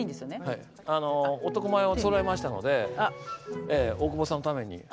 はい男前をそろえましたので大久保さんのために。